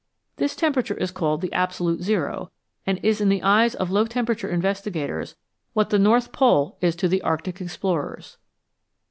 This temperature is called the " absolute zero," and is in the eyes of low temperature investigators what the North Pole is to Arctic explorers.